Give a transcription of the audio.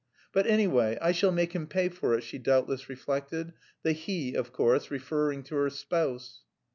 "But... anyway, I shall make him pay for it," she doubtless reflected, the "he," of course, referring to her spouse.